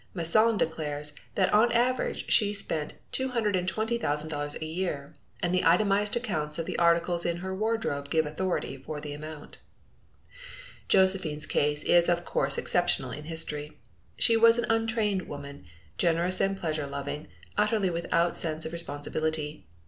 Masson declares that on an average she spent $220,000 a year, and the itemized accounts of the articles in her wardrobe give authority for the amount. Josephine's case is of course exceptional in history. She was an untrained woman, generous and pleasure loving, utterly without a sense of responsibility.